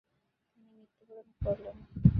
তিনি মৃত্যুবরণ করলেন।